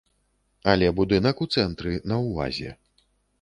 Але будынак у цэнтры, на ўвазе.